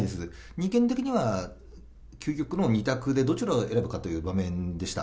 人間的には究極の二択でどちらを選ぶかという場面でした。